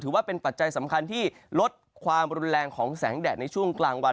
ปัจจัยสำคัญที่ลดความรุนแรงของแสงแดดในช่วงกลางวัน